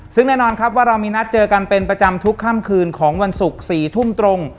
ซึ่งแน่นอนครับว่าเรามีนัดเจอกันเป็นประจำทุกค่ำคืนของวันศุกร์๔ทุ่มตรง